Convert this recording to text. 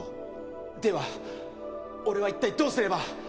では俺は一体どうすれば？